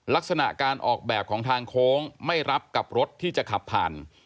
ลักษณะการออกแบบของทางโค้งไม่รับกับรถที่จะขับผ่าน